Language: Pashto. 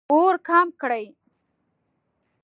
اور کم کړئ